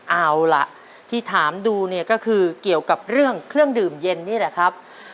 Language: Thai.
เอาล่ะที่ถามดูเนี่ยก็คือเกี่ยวกับเรื่องเครื่องดื่มเย็นนี่แหละครับ